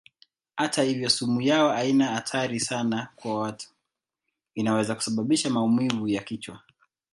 Hata hivyo sumu yao haina hatari sana kwa watu; inaweza kusababisha maumivu ya kichwa.